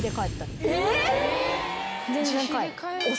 えっ！？